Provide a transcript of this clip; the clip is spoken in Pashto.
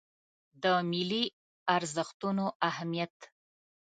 د ملي ارزښتونو اهمیت